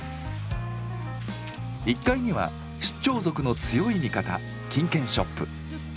１階には出張族の強い味方金券ショップ。